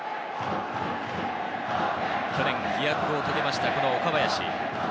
去年、飛躍を遂げました、この岡林。